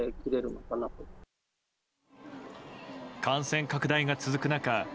感染拡大が続く中